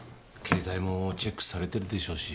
携帯もチェックされてるでしょうし。